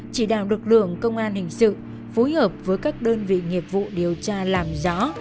chỉ đạo lực lượng công an hình sự phối hợp với các đơn vị nghiệp vụ điều tra làm rõ